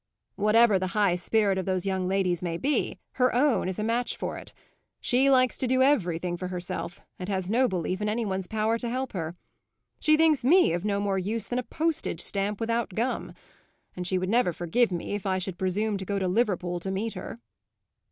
"Whatever the high spirit of those young ladies may be, her own is a match for it. She likes to do everything for herself and has no belief in any one's power to help her. She thinks me of no more use than a postage stamp without gum, and she would never forgive me if I should presume to go to Liverpool to meet her."